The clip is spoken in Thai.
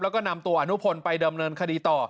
แล้วก็นำตัวอนุพลไปเดิมเนินคดีต่อ